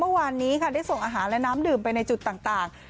เมื่อวานนี้ค่ะได้ส่งอาหารและน้ำดื่มไปในจุดต่าง